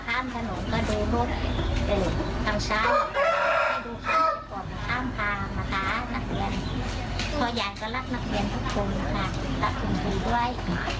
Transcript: ถอยานก็รับนักเรียนทั้งตรงนะคะรับคนดีด้วย